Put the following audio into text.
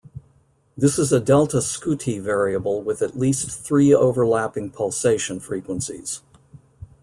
This is a delta scuti variable with at least three overlapping pulsation frequencies.